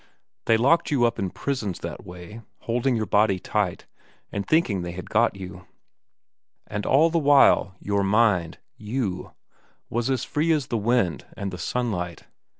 They locked you up in prisons that way, holding your body tight and thinking they had got you, and all the while your mind you was as free as the wind and the sunlight.